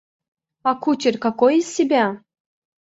А кучер какой из себя?